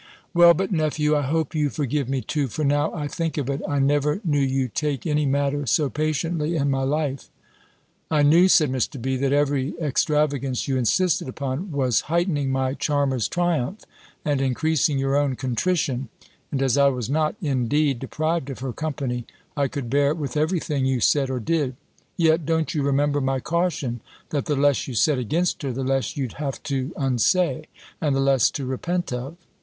"Well, but, nephew, I hope you forgive me too; for now I think of it, I never knew you take any matter so patiently in my life." "I knew," said Mr. B., "that every extravagance you insisted upon, was heightening my charmer's triumph, and increasing your own contrition; and, as I was not indeed deprived of her company, I could bear with every thing you said or did Yet, don't you remember my caution, that the less you said against her, the less you'd have to unsay, and the less to repent of!"